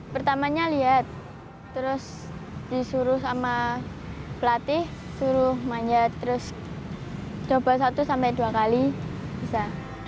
pertamanya lihat terus disuruh sama pelatih suruh manjat terus coba satu sampai dua kali bisa